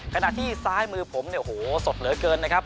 ขณะที่ซ้ายมือผมเนี่ยโอ้โหสดเหลือเกินนะครับ